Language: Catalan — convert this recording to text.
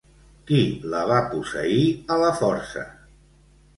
Qui la va posseir a la força?